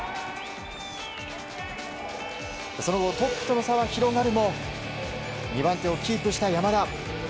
その後、トップとの差は広がるも２番手をキープした山田。